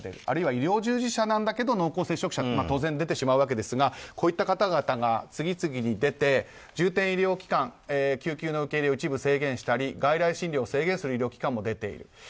あるいは医療従事者なんだけど濃厚接触者は当然出てしまうわけなんですがこういった方々が次々に出て重点医療機関救急の受け入れを一部制限したり外来診療を制限する医療機関も出ている。